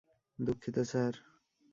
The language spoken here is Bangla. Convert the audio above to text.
দুঃখিত, স্যার!